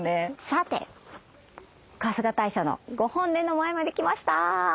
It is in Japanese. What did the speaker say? さて春日大社のご本殿の前まで来ました。